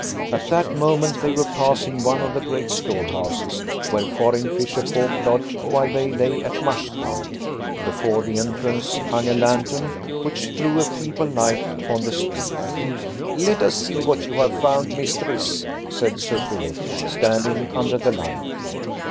At that moment they were passing one of the great storehouses, where foreign fisher folk lodged while they lay at Marstrand. Before the entrance hung a lantern, which threw a feeble light upon the street. "Let us see what you have found, mistress," said Sir Philip, standing under the light.